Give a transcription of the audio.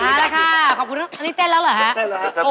ค่ะขอบคุณอันนี้เต้นแล้วเหรอฮะเต้นแล้วครับ